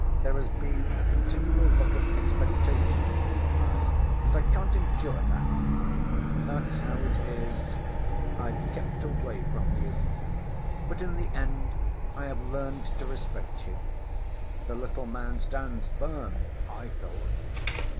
There has been a continual look of expectation in your eyes, and I can't endure that. That's how it is I've kept away from you. But in the end I have learned to respect you. The little man stands firm, I thought.